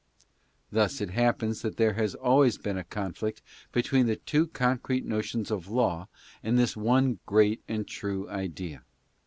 Thus it happens that there has always been a conflict between the two concrete notions GARRISON. 35 of Law and this one great and true idea.